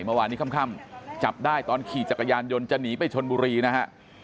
เมื่อวานนี้ค่ำจับได้ตอนขี่จักรยานยนต์จะหนีไปชนบุรีนะฮะ